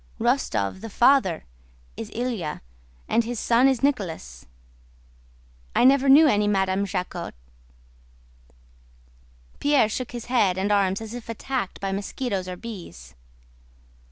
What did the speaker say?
Rostóv, the father, is Ilyá, and his son is Nicholas. I never knew any Madame Jacquot." Pierre shook his head and arms as if attacked by mosquitoes or bees.